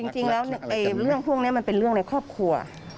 จริงแล้วเรื่องพวกนี้มันเป็นเรื่องในครอบครัว